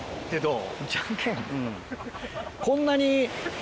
こんなに。